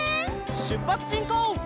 しゅっぱつしんこう！